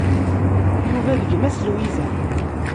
Yuba d gma-s n Lwiza.